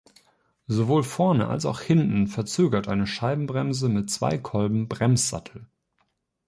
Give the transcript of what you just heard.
Sowohl vorne als auch hinten verzögert eine Scheibenbremse mit Zwei-Kolben-Bremssattel.